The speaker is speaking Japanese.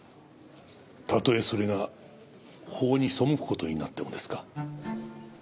たとえそれが法に背く事になってもですか？